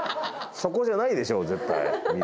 そこじゃないでしょう絶対。